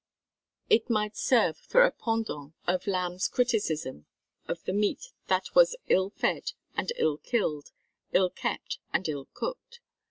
It might serve for a pendant of Lamb's criticism of the meat that was "ill fed and ill killed, ill kept and ill cooked."